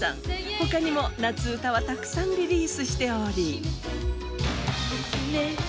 他にも夏うたはたくさんリリースしており。